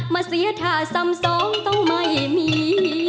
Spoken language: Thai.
เสียท่าซ้ำสองต้องไม่มี